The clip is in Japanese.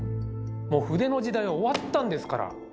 もう筆の時代は終わったんですから！